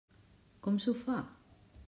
Com s'ho fa?